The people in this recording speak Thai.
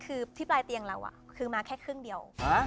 คือที่ปลายเตียงเราคือมาแค่ครึ่งเดียว